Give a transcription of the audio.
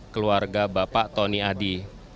keluarga bapak tony adi